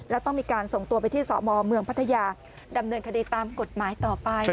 แล้วต้องมีการส่งตัวไปที่สมเมืองพัทยาดำเนินคดีตามกฎหมายต่อไป